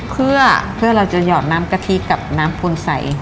เพื่อเราจะหยอดน้ำกะทิกับน้ำปูนใส